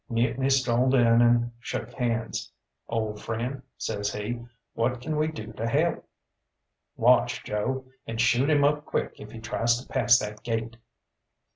Mutiny strolled in and shook hands. "Old friend," says he, "what can we do to help?" "Watch Joe, and shoot him up quick if he tries to pass that gate."